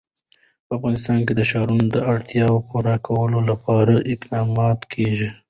په افغانستان کې د ښارونه د اړتیاوو پوره کولو لپاره اقدامات کېږي.